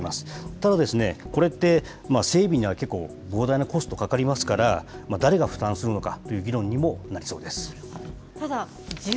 ただ、これって整備には結構、膨大なコストかかりますから、誰が負担するのかという議論にもななるほど。